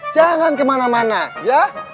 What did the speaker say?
jangan kemana mana ya